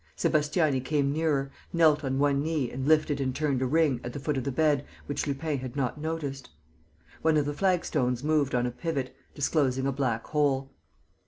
Sébastiani came nearer, knelt on one knee and lifted and turned a ring, at the foot of the bed, which Lupin had not noticed. One of the flagstones moved on a pivot, disclosing a black hole.